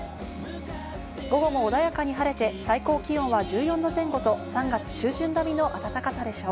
午後も穏やかに晴れて最高気温は１４度前後と３月中旬並みの暖かさでしょう。